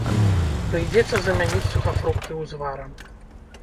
Прыйдзецца замяніць сухафрукты узварам.